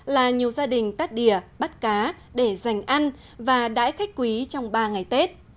là nhiều gia đình tắt đìa bắt cá để dành ăn và đãi khách quý trong ba ngày tết